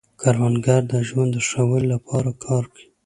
کروندګر د ژوند د ښه والي لپاره کار کوي